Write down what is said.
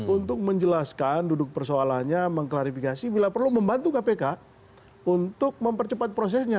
untuk menjelaskan duduk persoalannya mengklarifikasi bila perlu membantu kpk untuk mempercepat prosesnya